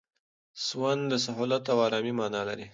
سوان د سهولت او آرامۍ مانا لري.